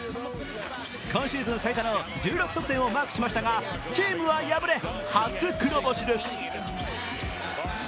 今シーズン最多の１６得点をマークするもチームは敗れ初黒星です。